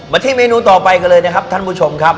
ที่เมนูต่อไปกันเลยนะครับท่านผู้ชมครับ